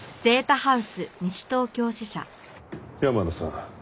山野さん